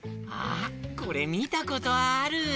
あっこれみたことある。